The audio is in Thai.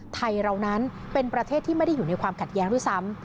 เรานั้นเป็นประเทศที่ไม่ได้อยู่ในความขัดแย้งด้วยซ้ำ